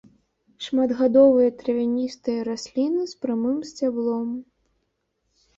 Шматгадовыя травяністыя расліны з прамым сцяблом.